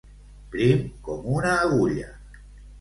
Prim com una agulla.